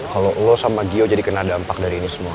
kalau lo sama gio jadi kena dampak dari ini semua